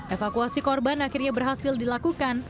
evakuasi korban akhirnya berhasil dilakukan